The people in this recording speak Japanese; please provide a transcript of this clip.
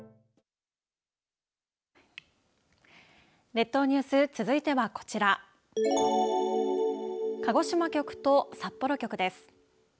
列島ニュース続いてはこちら鹿児島局と札幌局です。